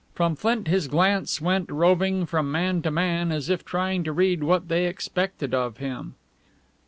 From Flint his glance went roving from man to man, as if trying to read what they expected of him.